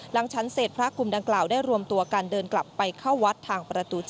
หลังชั้นเสร็จพระกลุ่มดังกล่าวได้รวมตัวกันเดินกลับไปเข้าวัดทางประตู๗